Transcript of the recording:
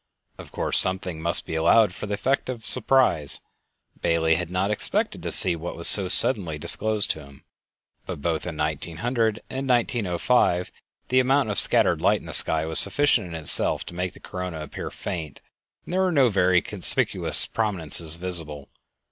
Of course, something must be allowed for the effect of surprise; Bailey had not expected to see what was so suddenly disclosed to him. But both in 1900 and 1905 the amount of scattered light in the sky was sufficient in itself to make the corona appear faint, and there were no very conspicuous prominences visible.